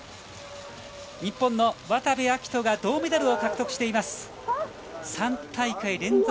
日本の渡部善斗が銅メダルを獲得しています。